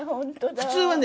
普通はね